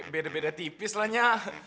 beda beda tipis lah nya